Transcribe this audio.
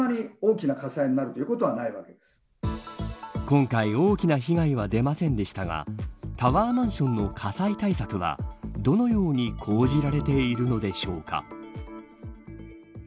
今回、大きな被害は出ませんでしたがタワーマンションの火災対策はどのように講じられているのでしょうか。